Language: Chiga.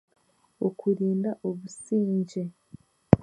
Okurinda obusingye.